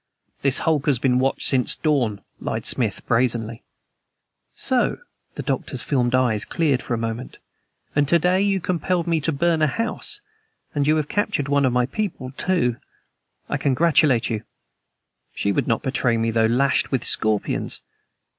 "This hulk has been watched since dawn," lied Smith brazenly. "So?" The Doctor's filmed eyes cleared for a moment. "And to day you compelled me to burn a house, and you have captured one of my people, too. I congratulate you. She would not betray me though lashed with scorpions."